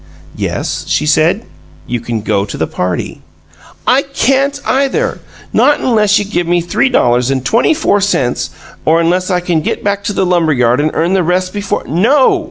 "Yes," she said, "you can go to the party." "I can't, either! Not unless you give me three dollars and twenty four cents, or unless I can get back to the lumber yard and earn the rest before " "No!"